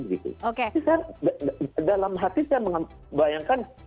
jadi saya dalam hati saya bayangkan